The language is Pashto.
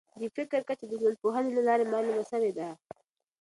د فقر کچه د ټولنپوهني له لارې معلومه سوې ده.